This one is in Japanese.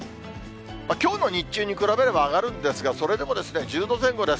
きょうの日中に比べれば上がるんですが、それでも１０度前後です。